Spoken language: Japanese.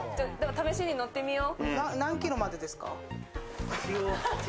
試しに乗ってみよう。